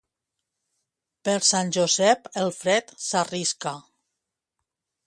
Per Sant Josep, el fred s'arrisca.